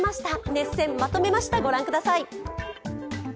熱戦、まとめましたご覧ください。